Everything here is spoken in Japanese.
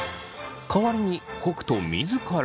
代わりに北斗自ら。